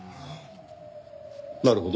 なるほど。